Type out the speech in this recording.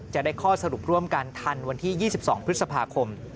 จะได้ข้อสรุปร่วมกันทันวันที่๒๒พฤษภาคม